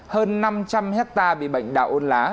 hơn năm trăm linh hectare bị bệnh đạo ôn lá